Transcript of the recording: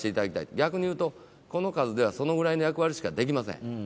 逆に言うと、この数ではそのぐらいの役割しかできません。